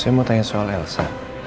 saya mau tanya soal elsa